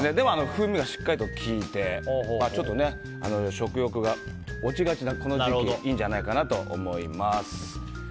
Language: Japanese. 風味がしっかりと効いて食欲が落ちがちなこの時期、いいんじゃないかなと思います。